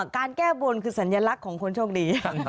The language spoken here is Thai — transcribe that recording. การแก้บนคือสัญลักษณ์ของคนโชคดี